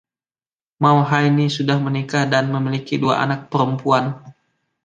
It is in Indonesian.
Mawhinney sudah menikah dan memiliki dua anak perempuan.